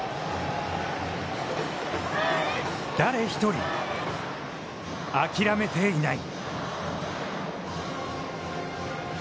誰一人諦めていない。